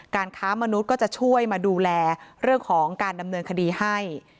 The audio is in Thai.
ค้ามนุษย์ก็จะช่วยมาดูแลเรื่องของการดำเนินคดีให้